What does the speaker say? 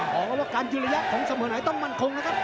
ขอบความรู้ว่าการยุลยักษ์ของเสมอไหนต้องมั่นคงนะครับ